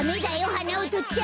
はなをとっちゃ！